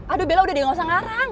aduh bella udah deh gak usah ngarang